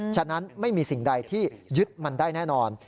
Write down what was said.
ฉะนั้นไม่มีสิ่งใดที่ยึดมันได้แน่นอน